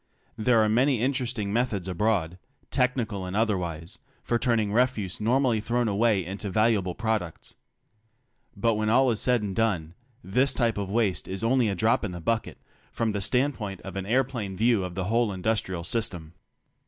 There are many interesting methods abroad, technical and otherwise, for turning refuse normally thrown away into valuable prod ucts. But when all is said and done, this type of waste is only a drop in the bucket from the standpoint of an aeroplane view of the whole industrial system.